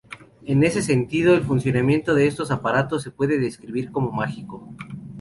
En ese sentido, el funcionamiento de estos aparatos se puede describir como mágico.